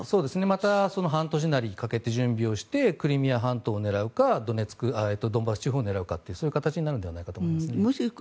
また半年なりかけて準備をしてクリミア半島を狙うかドンバス地方を狙うかというそういう形になるのではないかと思いますね。